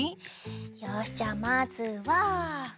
よしじゃあまずは。